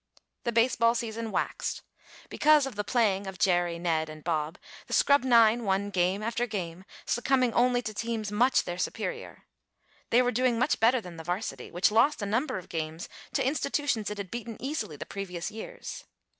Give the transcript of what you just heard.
The baseball season waxed. Because of the playing of Jerry, Ned and Bob the scrub nine won game after game, succumbing only to teams much their superior. They were doing much better than the varsity, which lost a number of games to institutions it had beaten easily the previous years.